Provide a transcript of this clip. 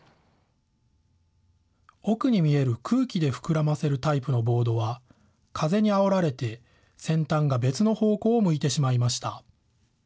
奥に見える空気で膨らませるタイプのボードは、風にあおられて先端が別の方向を向いてしまいました。